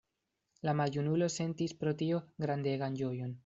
La maljunulo sentis pro tio grandegan ĝojon.